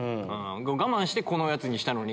我慢してこのやつにしたのに。